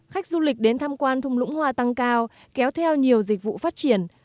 khách du lịch đến thăm quan thung lũng hoa tăng cao kéo theo nhiều dịch vụ phát triển